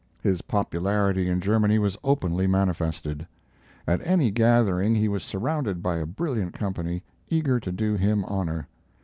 His popularity in Germany was openly manifested. At any gathering he was surrounded by a brilliant company, eager to do him honor.